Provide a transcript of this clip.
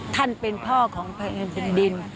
ท่านเป็นพ่อของพระเองเป็นดิน